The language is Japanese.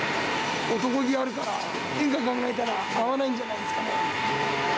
男気あるから、原価考えたら、合わないんじゃないですかね。